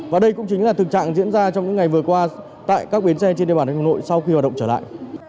và đây cũng chính là thực trạng diễn ra trong những ngày vừa qua tại các biến xe trên địa bàn nước hồng nội sau khi hoạt động trở lại